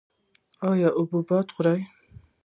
ایا حبوبات خورئ؟